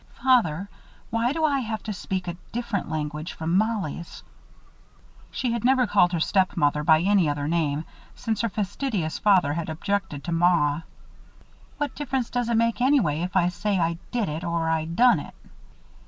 "Father, why do I have to speak a different language from Mollie's?" (She had never called her stepmother by any other name, since her fastidious father had objected to "Maw.") "What difference does it make anyway, if I say I did it or I done it?"